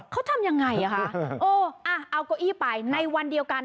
เขาทำยังไงอ่ะคะโอ้อ่ะเอาเก้าอี้ไปในวันเดียวกัน